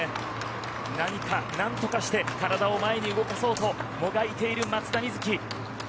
何か何とかして体を前に動かそうともがいている松田瑞生。